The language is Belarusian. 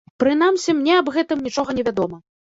Прынамсі, мне аб гэтым нічога не вядома.